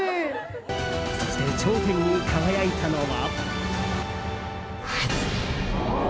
そして頂点に輝いたのは。